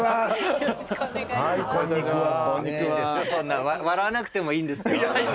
そんな笑わなくてもいいんですよ。